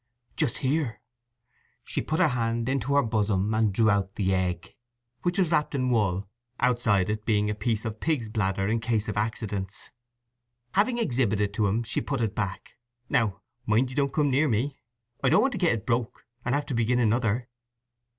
"Just here." She put her hand into her bosom and drew out the egg, which was wrapped in wool, outside it being a piece of pig's bladder, in case of accidents. Having exhibited it to him she put it back, "Now mind you don't come near me. I don't want to get it broke, and have to begin another."